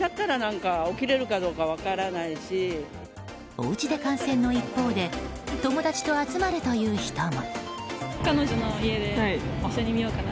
お家で観戦の一方で友達と集まるという人も。